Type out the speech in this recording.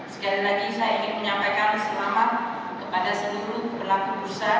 sekali lagi saya ingin menyampaikan selamat kepada seluruh pelaku usaha